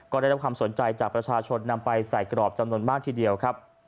ก็ได้รับความสนใจจากประชาชนนำไปใส่กรอบจำนวนมากทีเดียวครับ